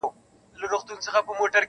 • د لېوه یې په نصیب کښلي ښکارونه -